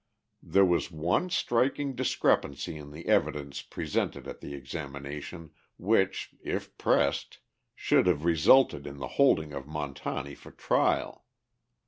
There was one striking discrepancy in the evidence presented at that examination which, if pressed, should have resulted in the holding of Montani for trial.